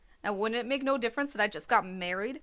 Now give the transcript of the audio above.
"And wouldn't it make no difference that I just got married?"